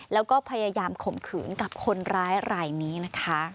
แล้วก็พยายามข่มขืนกับคนร้ายรายนี้นะคะ